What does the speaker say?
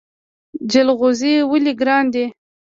جلغوزي ولې ګران دي؟